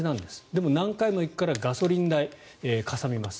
でも何回も行くからガソリン代、かさみます。